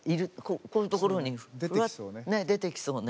こういうところに出てきそうね。